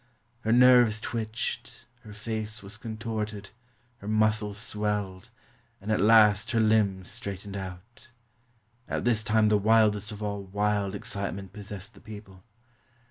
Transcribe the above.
Her nerves twitched, her face was contorted, her muscles swelled, and at last her Hmbs straightened out. At this time the wildest of all wild excitement possessed the people.